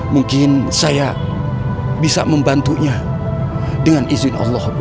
mungkin saya bisa membantunya dengan izin allah